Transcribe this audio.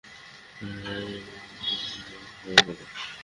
তাদের রাজা, আমীর-উমারা ও সৈন্য-সামন্ত ধ্বংস হয়ে গেল।